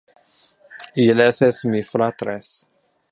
Illes es mi fratres.